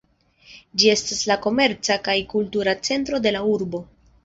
Ĝi estas la komerca kaj kultura centro de la urbo.